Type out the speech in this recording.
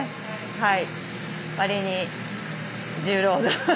はい。